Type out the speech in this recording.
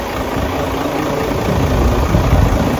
A nábatʼ á sɛk o na báka hʼ ó wa ʼboko e mik a sɛk ɛ̂ embɔmɔ ná.